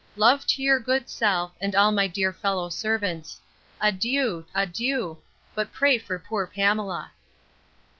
Love to your good self, and all my dear fellow servants. Adieu! adieu! but pray for poor PAMELA.